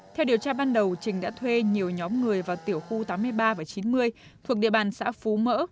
theo điều tra ban đầu trình đã thuê nhiều nhóm người vào tiểu khu tám mươi ba và chín mươi thuộc địa bàn xã phú mỡ